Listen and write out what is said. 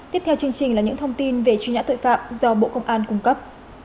tiếp theo chương trình là những thông tin về chuyên nhãn tội phạm do bộ công an cung cấp